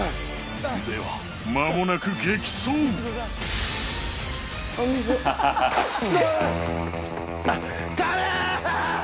では間もなく激走辛え！